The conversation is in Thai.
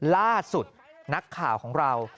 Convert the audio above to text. ล่าสุดนักข่าวของเรา